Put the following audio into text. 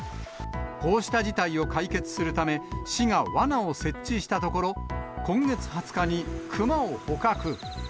こうした事態を解決するため、市がわなを設置したところ、今月２０日にクマを捕獲。